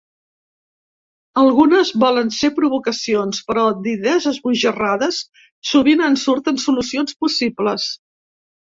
Algunes volen ser provocacions, però d’idees esbojarrades sovint en surten solucions possibles.